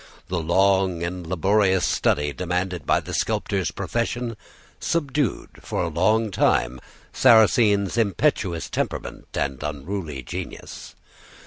The long and laborious study demanded by the sculptor's profession subdued for a long time Sarrasine's impetuous temperament and unruly genius.